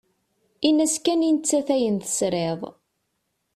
Ini-as kan i nettat ayen tesrid.